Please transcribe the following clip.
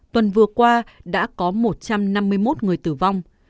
tuần vừa qua đã có một trăm năm mươi một người tử vong